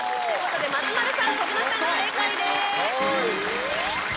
松丸さん、児嶋さんが正解です。